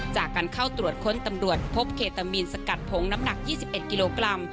จากการเข้าตรวจค้นตำรวจพบเคตามีนสกัดผงน้ำหนัก๒๑กิโลกรัม